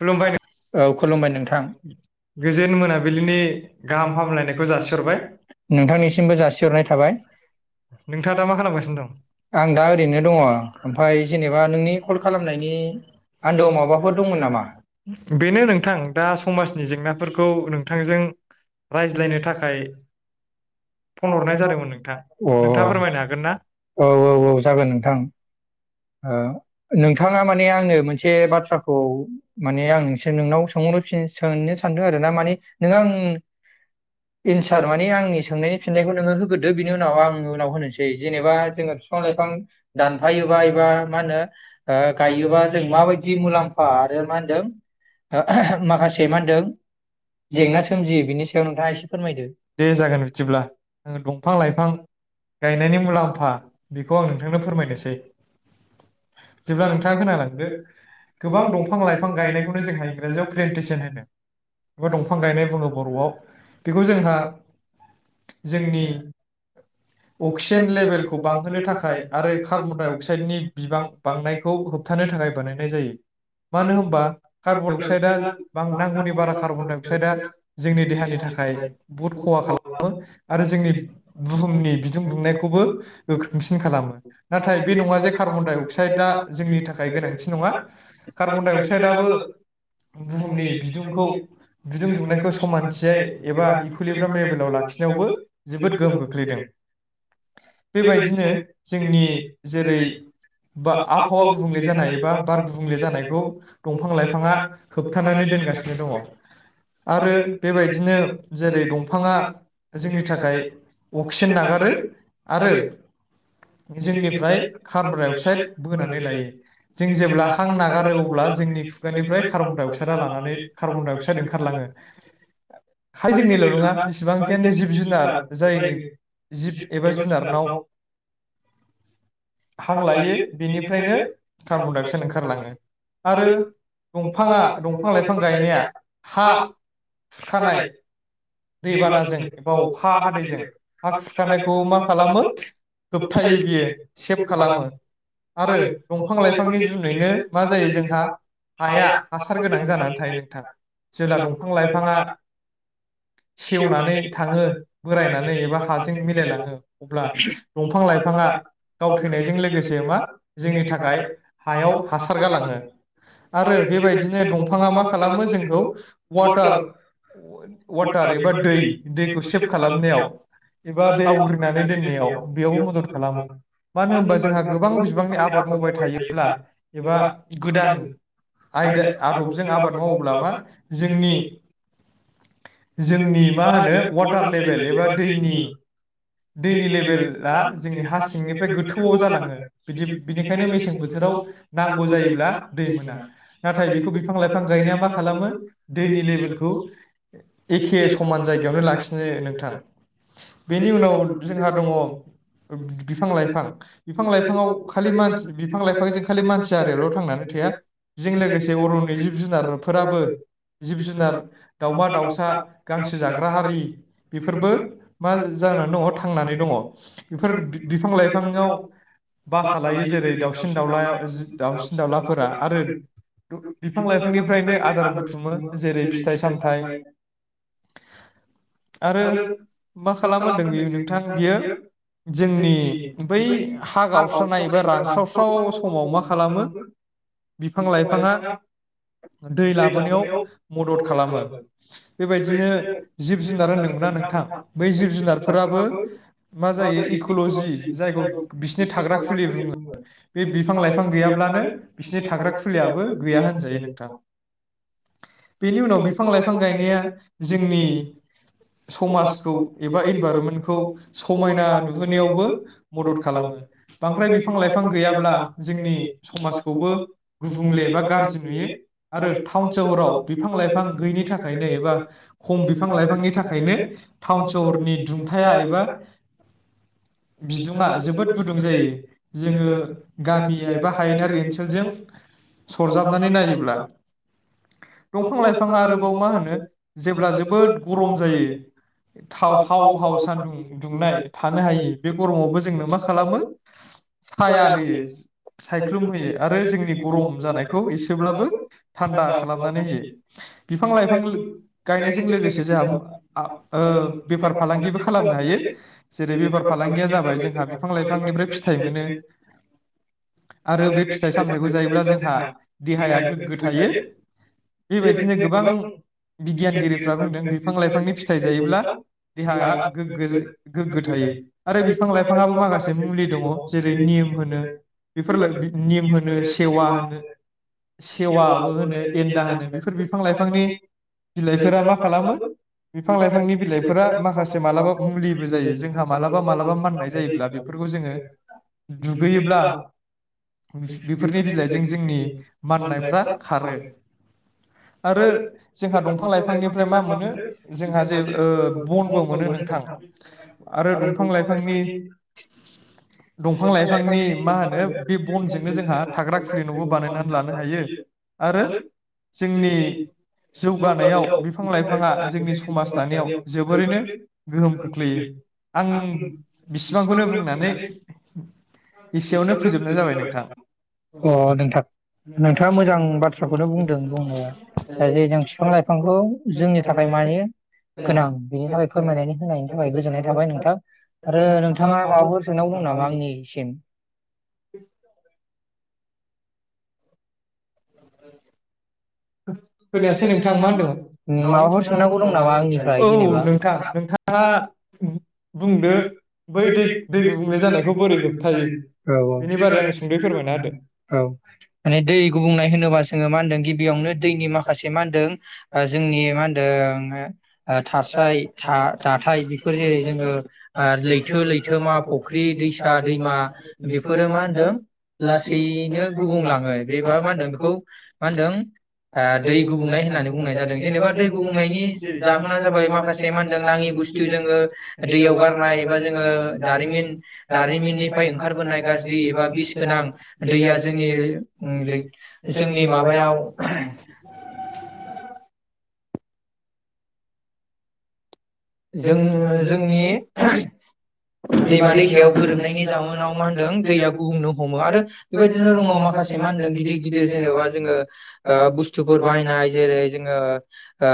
खुलुमबाय नो औ‌ खुलुमबाय नोंथां इ गोजोन मोनाबिलिनि गाहाम हामलायनायखौ जासिहरबाय नोंथांनिसिमबो जासिहरनाय थाबाय नोंथाङा दा मा खालामगासिनो दं आं दा ओरैनो दङ ओमफ्राय जेनेबा नोंनि कल खालामनायनि आन्दोआव माबाफोर दंमोन नामा बेनो नोंथां दा‌ समाजनि‌ जेंनाफोरखौ नोंथांजों रायज्लायनो थाखाय रायज्लायनो कल थाखाय हरनाय जादोंमोन नोंथां फन हरनाय अ जादोंमोन नोंथां नोंथांआ फोरमायनो नोंथाङा फोरमायनो हागोनना हागोन ना? औ औ औ जागोन नोंथां ओ नोंथांङा माने आंनो मोनसे बाथ्राखौ माने आंसो नोंनाव सोंहरनो फिन सोंनो सानदों आरो ना माने नों आं थिन साल एन्सार माने आंनि साननायनि सोंनायनि फिथाइखौ फिननायखौ नोङो होग्रोदो गिदिर बिनि गिदिर उनाव नामा आं उनाव होनोसै जेनेबा जोङो बिफां लाइफां दानफायोबा एबा मा होनो ओ गायोबा जों माबायदि मुलाम्फा आरो मान [unintelligible] दे होनदों जेंना सोमजियो बिनि सायाव नोंथाङा एसे फोरमायदो। जागोन बिदिब्ला ओ दंफां लाइफां गायनायनि मुलाम्फा बेखौ आं नोंथांनो फोरमायनोसै जेब्ला नोंथाङा खोनालांदो गोबां दंफां लाइफां जों इंराजियाव प्रेनटेसन होनो एबा दंफां गायनाय बुङो बर'आव बेखौ जोंहा जोंनि अक्सिजेन लेभेलखौ बांहोनो थाखाय आरो कार्बनडाइ अक्साइडनि बिबां बांनायखौ होबथानो थाखाय बानायनाय जायो मानो होमबा कार्बन डाइ अक्साइडआ बां नांगौनि बारा कार्बनडाइ अक्साइदआ जोंनि देहानि थाखाय बुहुद खहा खालामो आरो जोंनि बुहुमनि बिदुं दुंनायखौबो गोख्रोंसिन खालामो नाथाय बे नङा जे कार्बन डाइ अक दा जोंनि थाखाय गोनांथि नङा कार्बन डाइ अक्साइड क्सादाबो बुहुमनि बिदुंखौ बिदुं दुंनायखौ समानथियै एबा इखुुलिब्राम लेबेलाव लाखिनायावबो जोबोद गोहोम खोख्लैदों बेबायदिनो जोंनि जेरै बा आबहावा गुबुंले जानाय एबा बार गुबुंले जानायखौ दंफां लाइफाङा होबथानानै दोनगासिनो दङ आरो बेबायदिनो जेरै दंफाङा जोंनि थाखाय अक्सिजेन नागारो आरो जोंनिफ्राय कार्बा अक्साइड बोनानै लायो जों जेब्ला हां नागारो अब्ला जे जोंनि खुगानिफ्राय कार्बनडाइ अक्साइडआ लानानै कार्बनडाइ अक्साइड ओंखारलाङो खालि जोंनिल' नङा बेसेबांखियानो जिब जुनार जाय जिब एबा जुनारनाव हां‌ लाय यो बेनिफ्रायनो कार्बनडाइ अक्साइड ओंखारलाङो। आरो दंफाङा दंफां लाइफां गायनाया हा खुरखानाय दैबानाजों एबा अखा हादैजों हा खुरखानायखौ मा खालामो होबथायो बियो सेभ खालामो आरो दंफां लाइफांनि जुनैनो मा जायो जोंहा हाया हासार गोनां जानानै थायो नोंथां जेला दंफां लाइफाङा सेवनानै थाङो बोरायनानै एबा हाजों मिलायलाङो अब्ला दंफां लाइफाङा गावथैनायजों लोगोसे बेमा जोंनि थाखाय हायाव हासार गालाङो आरो बेबायदिनो दंफाङा मा खालामो जोंखौ वाटार वाटा एबा दै दैखौ सेब खालामनायाव एबा आवग्रिनानै दोननायाव बेयाव मदद खालामो मानो होमबा जोंहा बां बिबांनि आबाद मावबाय थायोब्ला एबा गोदान आयदा आदबजों आबाद मावोब्ला मा जोंनि जोंनि मा होनो वाटार लेभेल एबा दैनि दैनि लेभेला जोंनि हा सिंनिफ्राय गोथौआव जालाङो। बिदि बिदि बिनिखायनो मेसें बोथोराव नांगौ जायोब्ला दै मोना नाथाय बेखौ बिफां लाइफां गायनाया मा खालामो दैनि लेभेलखौ एखे समान जायगायावनो लाखिनो नोंथां बेनि उनाव जोंहा दङ बिफां लाइफां बिफां लाइफा फाङाव खालि मानसि बिफां लाइफां खालि मानसि आरियाल' थांनानै थाया बेजों लोगोसे अरननि जिब जुनारफोराबो जिब जुनार दाउमा दाउसा सा गांसो जाग्रा हारि बेफोरबो मा जानानै दङ थांनानै दङ बेफोर बिफां लाइफाङाव बासा लायो जेरै दाउसिन दाउला आरो दाउसिन दावउलाफोरा आरो बिफां लाइफांनिफ्रायनो आदारफोर दुङो जेरै फिथाइ सामथायाइ आरो मा खालामो होनदों बेयो नोंथां बियो जोंनि बै हा गावस्रानाय एबा रानस्रावस्राव समाव मा खालामो बिफां लाइफाङा दै लाबोनायाव मदद खालामो बेबायदिनो जिब जुनार होन्दोंमोनना नोंथां बै जिब जुनारफोराबो मा जायो इकलजि जायखौ बिसिनि थाग्रा खुलि बुङो बे बिफां लाइफां गैयाब्लानो बिसिनि थाग्रा खुलियाबो गैया होनजायो नोंथां। बेनि उनाव बिफां लाइफां गायनाया नाया जोंनि समाजखौ एबा इनभायरनमेन्टखौ समायना नुहोनायावबो मदद खालामो बांद्राय बिफां लाइफां गैयाब्ला जोंनि समाजखौबो गुबुंले बा गारजि नुयो आरो टाउन सहराव बिफां लाइफां गैयिनि थाखाय एबा खम बिफां लाइफांनि थाखायनो टाउन सहरनि दुंथाया एबा बिदुङा जोबोद गुदुं जायो जोङो गामि एबा हायेनारि ओनसोलजों सरजाबनानै नायोब्ला दंफां लाइफां आरोबाव मा मा होनो जेब्ला जोबोद गरम जायो हाव हाव हाव सान्दुं दुंनाय थानो हायि बे गरमावबो जोङो मा खालामो साया होयो सायख्लुम होयो आरो जोंनि गरम जानायखौ एसेब्लाबो थान्दा खालामनानै होयो। बेफो बिफां गायनायजों लोगोसे जोंहा आ ओ बेफार फालांगिबो खालामनो हायो जेरै बेफार फालांगिया जाबाय जोंहा बि लाइफांनिफ्राय फिथाइ मोनो आरो बे फिथाइ सामथाइखौ जायोब्ला जोंहा देहाया गोग्गो थायो बेबायदिनो गोब गोबां बिगियानगिरिफ्रा बुंदों बिफां लाइफांनि फिथाइ जायोब्ला देहाया गोग्गो जायो, गोग्गो थायो फ्राय बिफां लाइफाङाव माखासे मुलि दङ जेरै निम होनो, बेफोर लो बि निम होनो सेवा होनो, सेवाबो होनो, एमदा होनो, बेफोर बिफां बिफांनि बिलाइफोरा मा खालामो बिफां लाइफांनि बिलाइफोरा माखासे मालाबा मुलिबो जायो जोंहा मालाबा मालाबा माननाय जायोब्ला बे फोरखौ जोङो दुगैयोब्ला बि बेफोरनि बिलाइजों जोंनि माननायफ्रा खारो। आरो जोंहा दंफां लाइफांनिफ्राय मा मोनो जोंहा जे ओ बनबो मोनो नोंथां आरो दंफां लाइफांनि दंफां लाइफांनि मा होनो बे बनजोंनो जोंहा थाग्रा खुलि न'बो बानायनानै लानो हायो आरो जों नि जौगानायाव बिफां लाइफाङा जोंनि समाज दानायाव जोबोरैनो गोहोम खोख्लैयो। आं बिसि बेफोरखौनो बुंनानै एसेयावनो फोजोबनाय जाबाय नोंथां। अ' नोंथां नोंथाङा मोजां बाथ्राखौनो बुंदों बुंनाया। जाय ओ जे जों फिफां लाइफांखौ जायगानि जोंनि थाखाय माने मानि गोनां बेनि थाखाय फोरमायनायनि होनायनि थाखाय गोजोननाय थाबाय नोंथां आरो नों थाङा माबाफोर सोंनांगौ दं नामा आंनिसिम। [inaudible] खोनायासै नोंथां मा होनदोंमोन माबाफोर माबाफोर सोंनांगौ दं नामा आंनिफ्राय औ जेनेबा। नोंथां औ नोंथाङा बुंदो बै दै दै गुबुंले जानायखौ बोरै होबथायो बेनि बारै आंनो सुंद'यै फोरमायना होदो औ औ माने दै गुबुंनाय होनोबा जोङो मा होनदों गिबियावनो दैनि माख खासे मा होनदों ओ जोंनि मा होनदों हो ओ जाय थारसाय हा था दाथाय बेफोर जेरै जोङो ओ लैथो लैथोमा फुख्रि दैसा दैमा बेफोरो मा होनदों लासैनो गुबुंलाङो बेबा मा होनदों बेखौ मा होनदों ओ आ दै गुबुंनाय होननानै बुंनाय जादों। जेनेबा दै गुबुंनायनि जाहोना जाबाय माखासे मा होनदों नाङि बुस्थु जोङो दैयाव गारनाय एबा जोङो दारिमिन दारिमिननिफ्राय ओंखारबोनाय गाज्रि एबा बिस गोनां दैया जोंनि ओ लै जोंनि माबायाव जोङो जोंनि दैमा दैथायायाव गोरोबनायनि जाहोनाव मा होनदों दैया गुबुंनो हमो आरो बेबायदिनो दङ माखासे मा होनदों गिदिर गिदिर जेनेबा जोङो बुस्थुफोर बाहायनाय जेरै जोङो ओ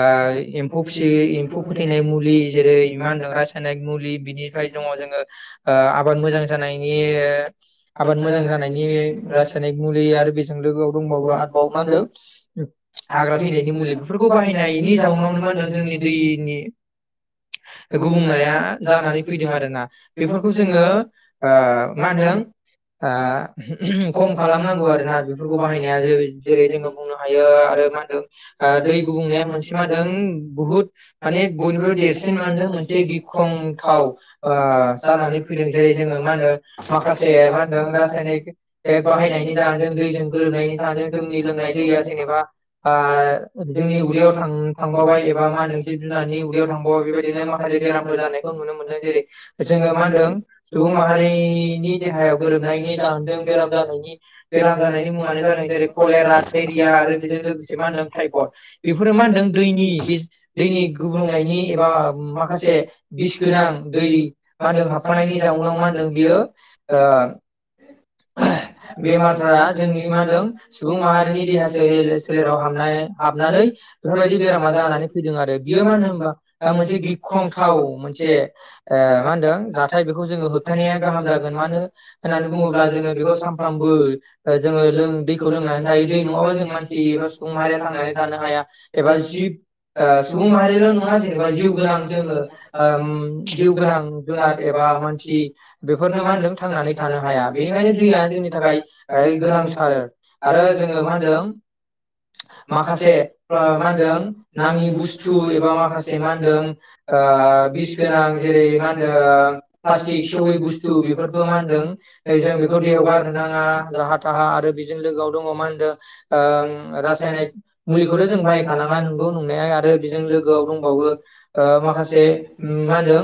एम्फौ फिसि एम्फौ फोथैनाय मुलि जेरै मान होनदों सायनायक मुलि बिनिफ्राय दङ जोङो ओ आबाद मोजां जानायनि आबाद मोजां जानायनि रासायनिक मुलि आरो बेजों लोगोआव दंबावो आरोबावो मा होनदों हाग्रा थैनायनि मुलि बेफोरखौ बाहायनायनि जाउनावनो मा होनदों जोंनि दैनि गुबुंनाया जानानै फैदों आरोना। बेफोरखौ जोङो ओ मा होनदों ओ खम खालामनांगौ आर ना बेफोरखौ बाहायनाया जेरै जोङो बुंनो हायो आरो मा होनदों ओ दै गुबुंनाया मोनसे मा होनदों बुहुत माने बयनिफ्रायबो देरसिन जेनेबा नों मोनसे गिख्रंथाव ओ जानानै फैदों जेरै जोङो मा होनो माखासे मा होनदों रासायनिक बाहायनायनि जाहोन जों दैजों गोरोबनायनि जाहोन जोंनि लोंनाय दैया जेनेबा आ ओ जोंनि उदैयावां थांबावबाय एबा मा होनदों जिब जुनारनि उदैयाव थांबावबाय बेबायदि बिनो माखासे बेरामफोर जानायखौ नुनो मोनदों जेरै जोङो मा होनदों सुबुं माहारिनि देहायाव गोरोबनायनि जाहोनजों बेराम जानायनि बेराम जानायनि मुङानो जादों जेरै कलेरा थाइरिया आरो बेजों लोगोसे मा होनदों टाइफड बेफोरो मा होनदों दैनि बे दैनि गुबब्रुंनायनि एबा माखासे बिस गोनां दै मा होनदों हाबफानायनि जाउनाव मा होनदों बियो ओ बेमारफ जोंनि मा होनदों सुबुं माहारिनि देहा स सोलेराव हाबनाय हाबनानै बेफोरबायदि बेरामा जानानै फैदों आरो बियो मा होन होनोमबा दा मोनसे गिख्रंथाव मोनसे ओ मा होनो दों जाथाय बेखौ जोङो होबथानाया गाहाम जागोन मानो होन्नानै बुङोब्ला जोङो बेखौ सानफ्रामबो जोङो दैखौ लोंनानै थायो दै नङाबा जों मानसि एबा सुबुं माहारिया थांनानै थानो हाया एबा जिब सुबुं माहारिल' नङा जेनेबा गोनां जोङो ओम जिउ गोनां। जुनाद एबा मानसि बेफोरनो मा होनदों थांनानै थानो हाया। बेनिखायनो दैया जोंनि थाखाय गोनांथार आरो जोङो मा होनदों माखासे मा होनदों नाङि बुस्थु एबा माखासे मा होन बिस गोनां जेरै मा ओ प्लास्टिक सेवै बुस्थु बेफोरबो मा होनदों जों बेखौ दैयाव गारनो नाङा जाहा थाहा आरो बेजों लोगोआव दङ मा होनदों ओं रासायनिक मुलिखौथ' जों बाहायखानाङा नंगौ नंनायाय आरो बेजों लोगोआव दंबावो। माखासे मा होनदों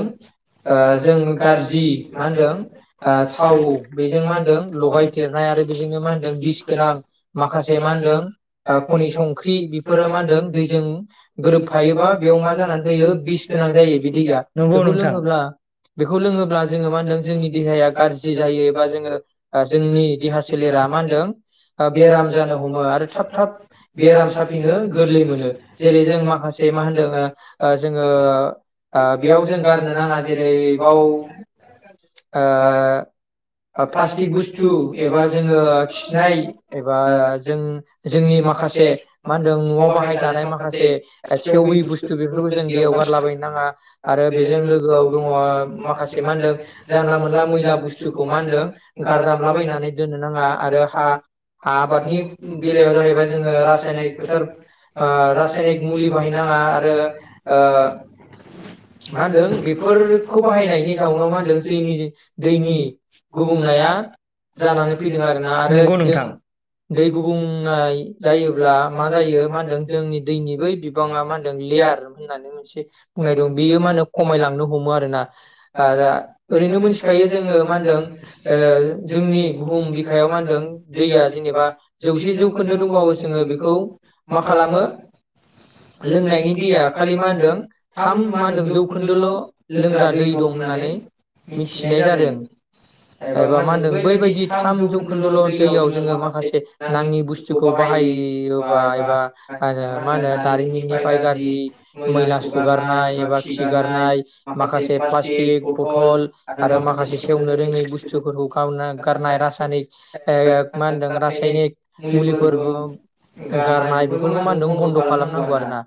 ओ जों गाज्रि मा होनदों थाव बेजों मा होनदों लगायदेरनाय आरो बेजोंनो मा होनदों बिस गोनां माखासे मा होनदों खनि संख्रि बेफोरो मा होनदों दैजों गोरोबफायोबा बेयाव मा जानानै होयो बिस गोनां जायो बे दै बेखौ लोंङो ब्ला बेखौ लोङोब्ला जोङो मा होनदों जोंनि देहाया गाज्रि जायो एबा जोङो जोंनि देहा सोलेरा मा होनदों बेराम जानो हमो आरो थाब थाब बेराम साफिनो गोरलै मोनो जेरै जों माखासे मा होनदों ओ जोङो बेयाव जों गारनो नाङा जेरै बाव ओ प्लासटिक प्लास्टिक बुस्थु बसतु एबा जोङो जोंङो खिनाय एबा जों जोंनि माखासे मा होनो न'आव न'याव बाहायजानाय बाहायनाय माखासे मा होन्दों सेवयि बुस्तु बेफोर जों दैआव गारलाबायनो आरो बेजोंलोग दङ माखासे मा होनदों जानला मोनला मैला बुस्थुखौ मा होनदों गार जानला मोनला बुस्तुखौ गारदामलाबायायनानै दोननो नाङा आरो हा आबादनि बेलायाव जाहैबाय जोंङो रासायनिक फोथार रासायनिक मुलि बाहायनो नाङा आरो ओ मा होनदों बेफोरखौ बाहायनायनि जाउनाव मा होनदों जोंनि दैनि गुबुंनाया जानानै फैदों आरोना आरो जों दै गुबुंनाय जायोब्ला मा जायो मा होनदों जोंनि दैनि बै बिबांङा मा होनदों लेयार होननानै मोनसे बुंनाय दं बेयो मा होनो खमायलांनो हमो आरोना आ ओरैनो मोनथिखायो जोंङो मा होनदों जोंनि बुहुम बिखायाव मा होनदों दैया जेनेबा जौसे जौखोन्दो दंबावो जोंङो बेखौ मा खालामो लोंनायनि दैया खालि मा होनदों थाम मा होनदों जौखोन्दोल' लोंग्रा दै दं होननानै मिथिनाय जादों एबा मा होनदों बैबायदि थाम जौखोन्दोल' दैयाव जोंङो माखासे नाङि बुस्थुखौ बाहायोबा एबा ओ मा होनो दारिमिननिफ्राय गाज्रि मैला सुगारनाय एबा खिगारनाय माखासे प्लास्टिक बथल आरो माखासे सेवनो रोङै बुस्थुफोरखौ गावनो मा गारनाय रासायनिक ओ मा होनदों रासायनिक मुलिफोरबो गारनाय बेफोरखौ मा होनदों बन्द' खालामनांगौ आरो ना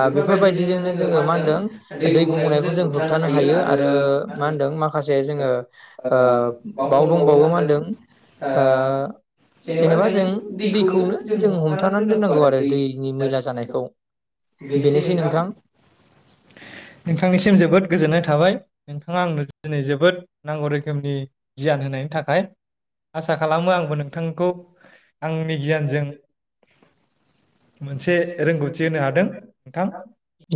आ बे बेफोरबायदिजोंनो जोंङो मा होनदों दै गुबुंनायखौ जों होब होबथानो हायो आरो माहोनदों माखासे जोङो ओ बाव दंबावो मा होनदों ओ जेनेबा जों दैखौनो हमथानानै दोननांगौ आरो दैनि मैला जानायखौ बेनोसै दि नोंथां नोंथांनिसिम जोबोद गोजोननाय थाबाय नोंथाङा आंनो दिनै जोबोद नांगौ रोखोमनि गियान होनायनि थाखाय आसा खालामो आंबो नोंथांखौ आंनि गियानजों मोनसे रोंगौथि होनो हादों नोंथां